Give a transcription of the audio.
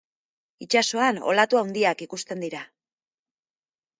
Itsasoan olatu haundiak ikusten dira.